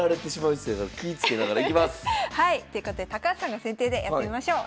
ということで高橋さんが先手でやってみましょう。